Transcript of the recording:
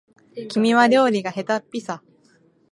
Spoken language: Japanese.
君は料理がへたっぴさ